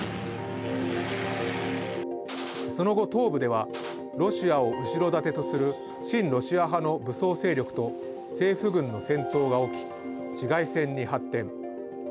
その後、東部ではロシアを後ろ盾とする親ロシア派の武装勢力と政府軍の戦闘が起き市街戦に発展。